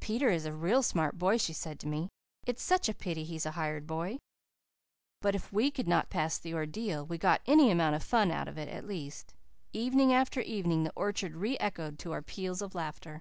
"Peter is a real smart boy," she said to me. "It's such a pity he is a hired boy." But, if we could not pass the ordeal, we got any amount of fun out of it, at least. Evening after evening the orchard re echoed to our peals of laughter.